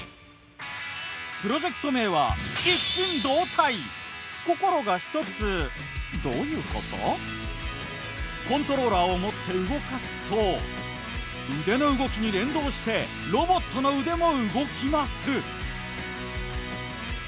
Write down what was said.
プロジェクト名はコントローラーを持って動かすと腕の動きに連動してロボットの腕も動きます。